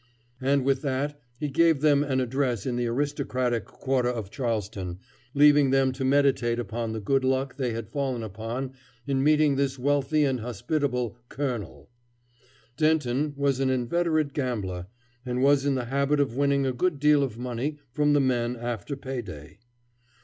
And with that he gave them an address in the aristocratic quarter of Charleston, leaving them to meditate upon the good luck they had fallen upon in meeting this wealthy and hospitable "colonel." Denton was an inveterate gambler, and was in the habit of winning a good deal of money from the men after pay day.